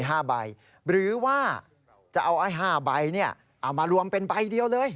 หรือว่าจะเอาไอ้๕ใบเอามารวมเป็นใบเดียวเลย